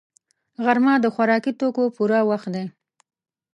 غرمه د خوراکي توکو پوره وخت دی